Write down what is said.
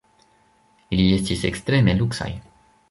Ili estis ekstreme luksaj.